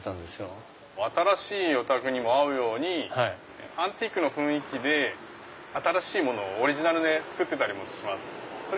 新しいお宅にも合うようにアンティークの雰囲気で新しいものをオリジナルで作ってたりもします。